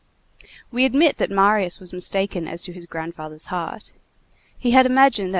We admit that Marius was mistaken as to his grandfather's heart. He had imagined that M.